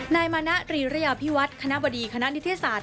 นายมานะตรีระยาพิวัฒน์คณะบดีคณะนิเทศศาสต